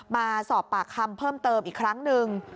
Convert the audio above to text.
มาสอบปากคำเพิ่มเติมอีกครั้งหนึ่ง